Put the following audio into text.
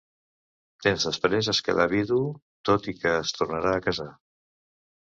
Temps després es quedà vidu, tot i que es tornarà a casar.